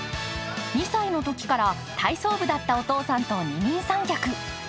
２歳のときから体操部だったお父さんと二人三脚。